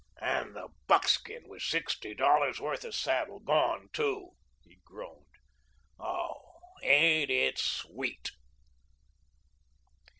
"And the buckskin with sixty dollars' worth of saddle gone, too," he groaned. "Oh, ain't it sweet?"